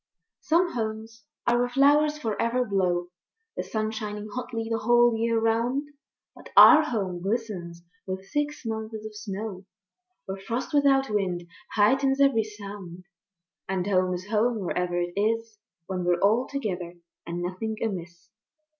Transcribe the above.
Some Homes are where flowers for ever blow, The sun shining hotly the whole year round; But our Home glistens with six months of snow, Where frost without wind heightens every sound. And Home is Home wherever it is, When we're all together and nothing amiss.